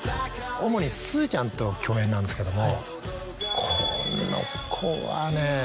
主にすずちゃんと共演なんですけども。